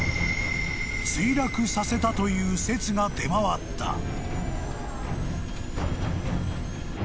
［墜落させたという説が出回った］